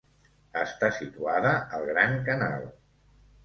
Està situada al Gran Canal.